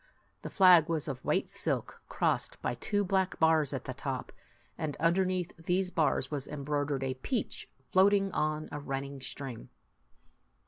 The flag was of white silk, crossed by two black bars at the top ; and underneath these bars was embroidered a peach floating on a run ning stream.